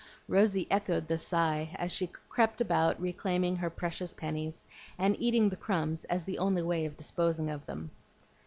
Rosy echoed the sigh as she crept about reclaiming her precious pennies, and eating the crumbs as the only way of disposing of them.